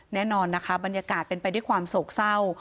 แน่นอนนะคะบรรยากาศเป็นไปด้วยความโศกเศร้า